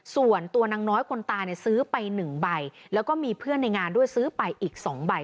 ส่วนตัวนางน้อยคนตายเนี่ยซื้อไป๑ใบแล้วก็มีเพื่อนในงานด้วยซื้อไปอีก๒ใบ